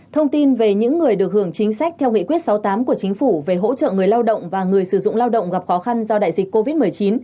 thông tin về những người được hưởng chính sách theo nghị quyết sáu mươi tám của chính phủ về hỗ trợ người lao động và người sử dụng lao động gặp khó khăn do đại dịch covid một mươi chín